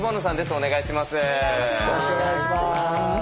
お願いします。